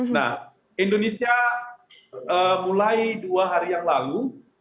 nah indonesia mulai dua hari yang lalu